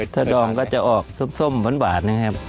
ถ้าดองก็จะออกส้มหวานนะครับ